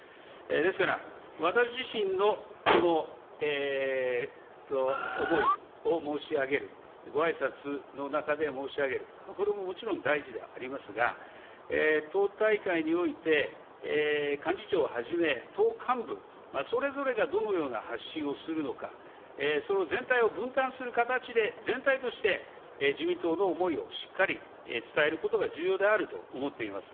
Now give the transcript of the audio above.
ですから私自身のこの思いを申し上げる、ごあいさつの中で申し上げる、これももちろん大事でありますが、党大会において、幹事長をはじめ、党幹部、それぞれがどのような発信をするのか、その全体を分担する形で、全体として、自民党の思いをしっかり伝えることが重要であると思っています。